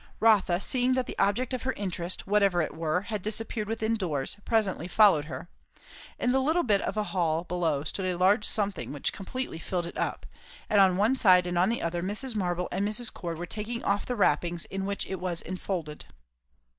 Rotha, seeing that the object of her interest, whatever it were, had disappeared within doors, presently followed her. In the little bit of a hall below stood a large something which completely filled it up; and on one side and on the other, Mrs. Marble and Mrs. Cord were taking off the wrappings in which it was enfolded.